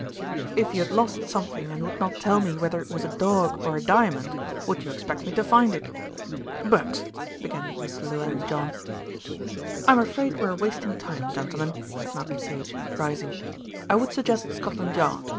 "If you had lost something and would not tell me whether it was a dog or a diamond, would you expect me to find it?" "But " began Mr. Llewellyn John. "I'm afraid we are wasting time, gentlemen," said Malcolm Sage, rising. "I would suggest Scotland Yard.